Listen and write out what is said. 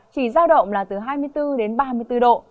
chỉ giao động là từ hai mươi bốn đến ba mươi bốn độ